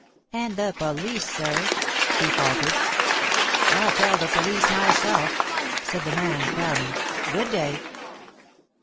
"And the police, sir," she faltered. "I'll tell the police myself," said the man, frowning. "Good day."